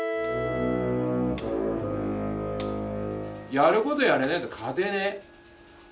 やることやれねえと勝てねえ。